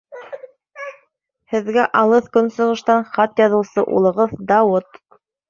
Һеҙгә Алыҫ Көнсығыштан хат яҙыусы улығыҙ Дауыт.